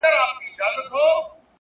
اراده د وېرې تر ټولو قوي مخالفه ده،